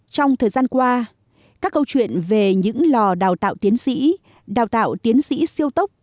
trong thời gian qua các câu chuyện về những lò đào tạo tiến sĩ đào tạo tiến sĩ siêu tốc